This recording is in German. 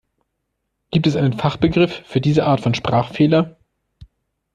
Gibt es einen Fachbegriff für diese Art von Sprachfehler?